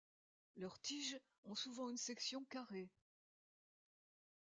Leurs tiges ont souvent une section carrée.